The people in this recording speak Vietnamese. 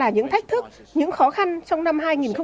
những khó khăn trong năm hai nghìn hai mươi